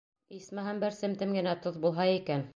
Исмаһам бер семтем генә тоҙ булһа икән.